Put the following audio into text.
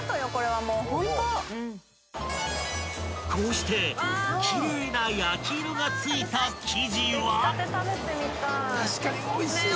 ［こうして奇麗な焼き色が付いた生地は］